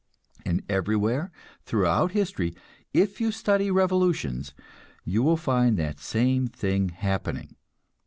And everywhere throughout history, if you study revolutions, you find that same thing happening.